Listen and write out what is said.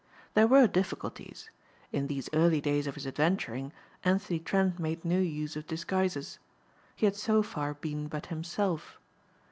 There were difficulties. In these early days of his adventuring Anthony Trent made no use of disguises. He had so far been but himself.